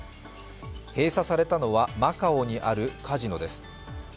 閉鎖されたのはマカオにあるカジノです。